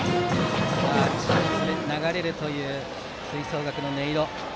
チャンスで流れるという吹奏楽の音色。